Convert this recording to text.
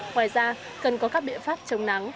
ngoài ra cần có các biện pháp chống nắng